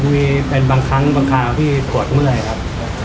มีเป็นบางครั้งบางคราวที่ปวดเมื่อยครับ